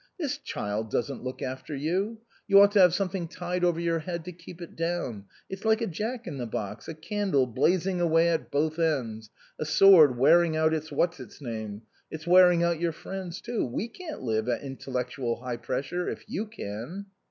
This child doesn't look after you. You ought to have something tied over your head to keep it down ; it's like a Jack in the box, a candle blazing away at both ends, a sword wearing out its what's his name ; it's wearing out your friends, too. We can't live at intellectual high pressure, if you can."